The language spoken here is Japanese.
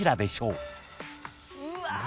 うわ！